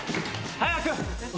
・早く！